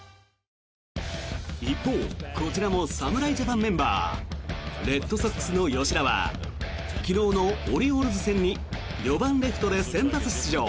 一方、こちらも侍ジャパンメンバーレッドソックスの吉田は昨日のオリオールズ戦に４番レフトで先発出場。